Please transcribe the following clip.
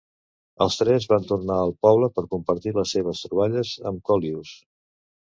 Els tres van tornar al poble per compartir les seves troballes amb Colyus.